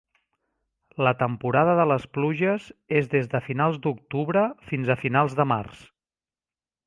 La temporada de les pluges és des de finals d'octubre fins a finals de març.